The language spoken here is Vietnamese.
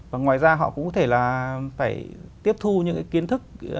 và ngoài ra họ cũng có thể là phải tiếp thu những cái kiến thức của người khác